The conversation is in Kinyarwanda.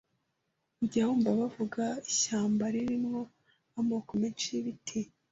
ujya wumva bavuga ishyamba ririmo amoko menshi y’ibiti